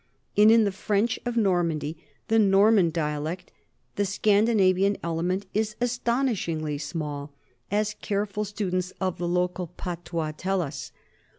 And in the French of Normandy, the Norman dialect, the Scandinavian element is astonishingly small, as careful students of the local patois tell us.